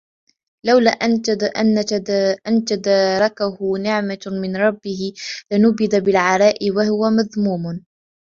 لَوْلَا أَنْ تَدَارَكَهُ نِعْمَةٌ مِنْ رَبِّهِ لَنُبِذَ بِالْعَرَاءِ وَهُوَ مَذْمُومٌ